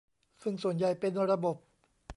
ซึ่งส่วนใหญ่เป็นระบบ